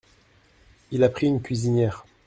Il a pris une cuisinière.